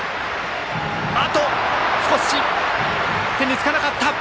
少し手につかなかった。